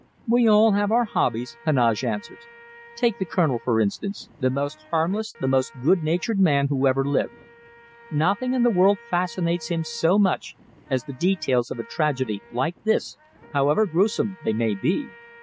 "We all have our hobbies," Heneage answered. "Take the Colonel, for instance, the most harmless, the most good natured man who ever lived. Nothing in the world fascinates him so much as the details of a tragedy like this, however gruesome they may be.